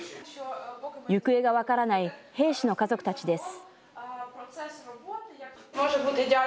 行方が分からない兵士の家族たちです。